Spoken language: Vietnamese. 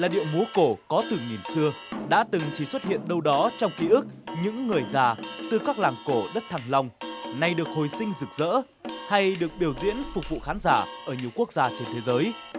điệu múa cổ có từ nghìn xưa đã từng chỉ xuất hiện đâu đó trong ký ức những người già từ các làng cổ đất thăng long nay được hồi sinh rực rỡ hay được biểu diễn phục vụ khán giả ở nhiều quốc gia trên thế giới